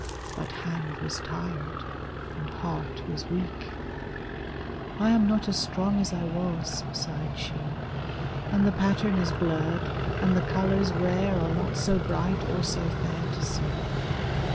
But hand was tired, and heart was weak :" I am not as strong as I was," sighed she, " And the pattern is blurred, and the colors rare Are not so bright, or so fair to see